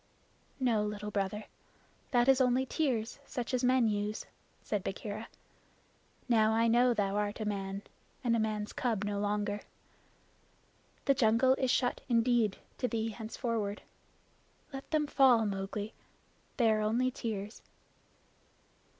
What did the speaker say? "No, Little Brother. That is only tears such as men use," said Bagheera. "Now I know thou art a man, and a man's cub no longer. The jungle is shut indeed to thee henceforward. Let them fall, Mowgli. They are only tears."